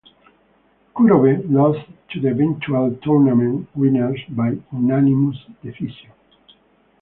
Kurobe lost to the eventual tournament winner by unanimous decision.